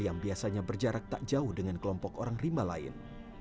yang biasanya berjarak tak jauh dengan kelompok orang rimba lain